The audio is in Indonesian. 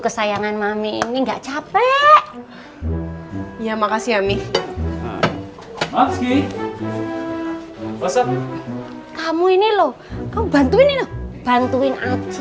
kesayangan mami nggak capek ya makasih ami kamu ini loh bantuin bantuin